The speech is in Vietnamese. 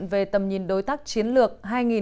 về tầm nhìn đối tác chiến lược hai nghìn ba mươi